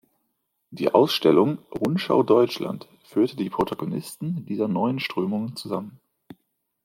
Die Ausstellung "Rundschau Deutschland" führte die Protagonisten dieser neuen Strömungen zusammen.